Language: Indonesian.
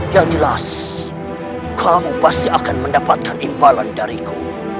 yang jelas kamu pasti akan mendapatkan imbalan dariku